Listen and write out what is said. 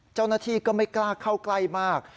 เจ้าหน้าที่ก็ไม่กล้าเข้าใกล้มาก